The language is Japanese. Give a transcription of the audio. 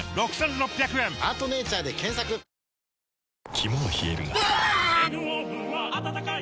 肝は冷えるがうわ！